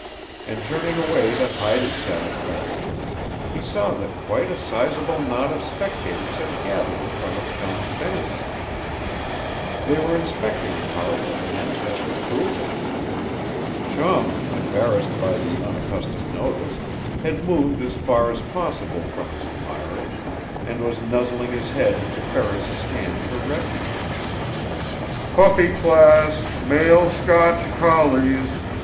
And turning away to hide his satisfaction, he saw that quite a sizable knot of spectators had gathered in front of Chum's bench. They were inspecting the collie with manifest approval. Chum, embarrassed by the unaccustomed notice, had moved as far as possible from his admirers, and was nuzzling his head into Ferris's hand for refuge. "Puppy Class, Male Scotch Collies!"